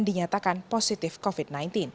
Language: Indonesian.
dinyatakan positif covid sembilan belas